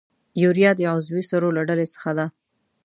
یوریا د عضوي سرو له ډلې څخه ده.